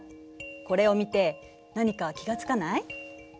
これを見て何か気が付かない？